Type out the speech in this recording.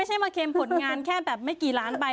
ไม่ใช่มาเค็มผลงานแค่แบบไม่กี่ล้านใบ